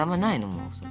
もうそれ。